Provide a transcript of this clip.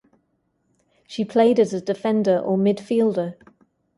She played as a defender or midfielder.